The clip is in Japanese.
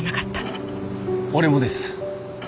俺もです。